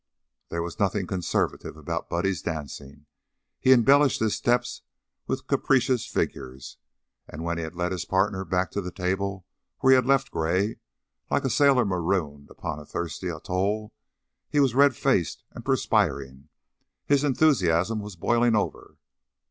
There was nothing conservative about Buddy's dancing. He embellished his steps with capricious figures, and when he led his partner back to the table where he had left Gray, like a sailor marooned upon a thirsty atoll, he was red faced and perspiring; his enthusiasm was boiling over.